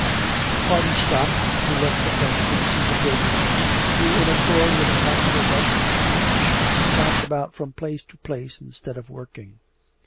The party stopped to let the Frenchman see the pilgrims who, in accord with a popular Russian superstition, tramped about from place to place instead of working.